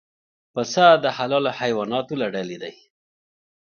پسه د حلالو حیواناتو له ډلې دی.